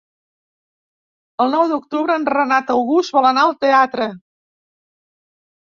El nou d'octubre en Renat August vol anar al teatre.